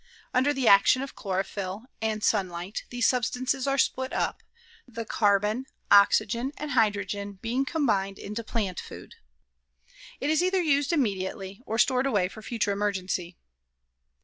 Under the action of chlorophyll and sunlight these substances are split up, the carbon, oxygen and hydrogen being combined into plant food. It is either used immediately or stored away for future emergency.